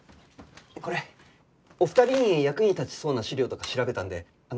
これお二人に役に立ちそうな資料とか調べたんで。